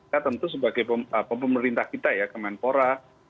kita tentu sebagai pemerintah kita ya kemenpora